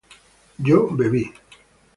yo bebí